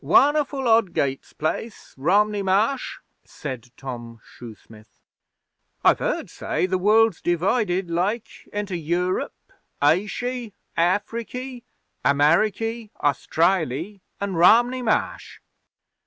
'Won'erful odd gates place Romney Marsh,' said Tom Shoesmith. 'I've heard say the world's divided like into Europe, Ashy, Afriky, Ameriky, Australy, an' Romney Marsh.'